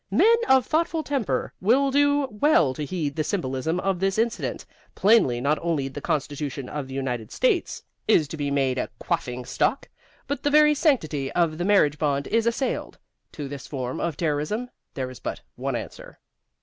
Men of thoughtful temper will do well to heed the symbolism of this incident. Plainly not only the constitution of the United States is to be made a quaffing stock, but the very sanctity of the marriage bond is assailed. To this form of terrorism there is but one answer.